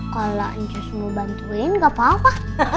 kalau ncus mau bantuin nggak apa apa